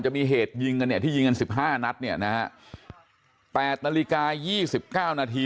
จะมีเหตุยิงกันเนี่ยที่ยิงกันสิบห้านัดเนี่ยนะฮะ๘นาฬิกา๒๙นาที